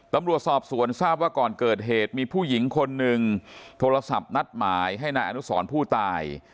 ตำรวจสอบสวนทราบว่าก่อนเกิดเหตุมีผู้หญิงคนหนึ่งโทรศัพท์นัดหมายให้นายอนุสรผู้ตาย